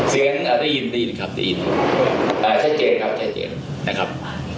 เสียงเอ่อได้ยินได้ยินครับได้ยินเอ่อแช่เจนครับแช่เจนนะครับ